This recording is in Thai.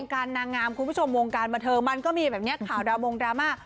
การนางงามคุณผู้ชมวงการบันเทิงมันก็มีแบบนี้ข่าวดาวมงดราม่า